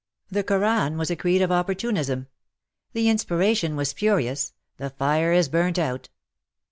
The Koran was a creed of oppor tunism. The inspiration was spurious — the fire Is burnt out.